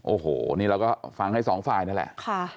โอ้โหนี่เราก็ฟังให้สองฝ่ายนั่นแหละ